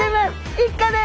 一荷です。